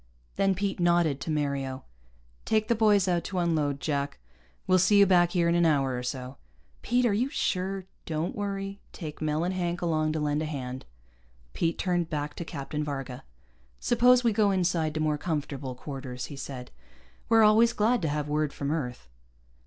Then Pete nodded to Mario. "Take the boys out to unload, Jack. We'll see you back here in an hour or so." "Pete, are you sure " "Don't worry. Take Mel and Hank along to lend a hand." Pete turned back to Captain Varga. "Suppose we go inside to more comfortable quarters," he said. "We're always glad to have word from Earth."